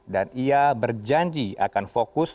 dan ia berjanji akan fokus